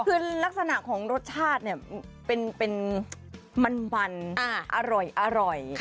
คือลักษณะของรสชาติเนี่ยเป็นมันอร่อย